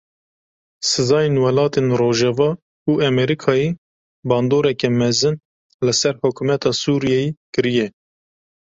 Sizayên welatên rojava û Amerîkayê bandoreke mezin li ser hikûmeta Sûriyeyê kiriye.